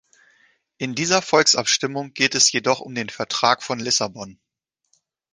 In dieser Volksabstimmung geht es jedoch um den Vertrag von Lissabon.